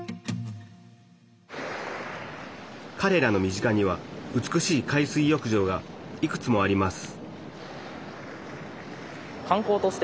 かれらの身近には美しい海水浴場がいくつもあります